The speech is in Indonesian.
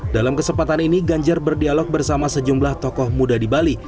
dalam kesempatan ini ganjar berdialog bersama sejumlah tokoh muda di bali